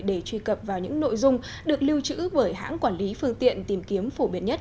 để truy cập vào những nội dung được lưu trữ bởi hãng quản lý phương tiện tìm kiếm phổ biến nhất